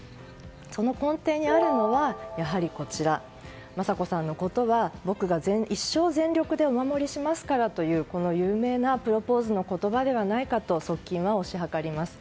その根底にあるのはやはり、雅子さんのことは僕が一生全力でお守りしますからというこの有名なプロポーズの言葉ではないかと側近は推し量ります。